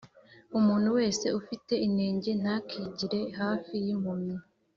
Umuntu wese ufite inenge ntakigire hafi impumyi